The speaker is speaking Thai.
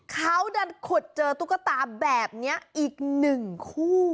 เขาดันขุดเจอตุ๊กตาแบบนี้อีก๑คู่